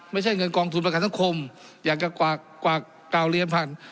ไม่ใช่เงินกองสูตรประกันสังคมอย่างเกือบกว่ากว่าเก่าเหรียญพันธุ์